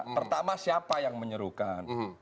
pertama siapa yang menyerukan